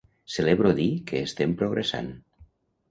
Celebro dir que estem progressant.